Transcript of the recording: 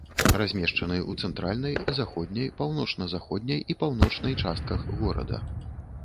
Размешчаны ў цэнтральнай, заходняй, паўночна-заходняй і паўночнай частках горада.